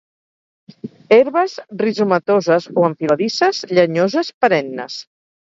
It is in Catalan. Herbes rizomatoses o enfiladisses, llenyoses, perennes.